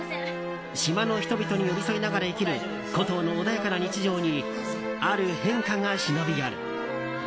島の人々に寄り添いながら生きるコトーの穏やかな日常にある変化が忍び寄る。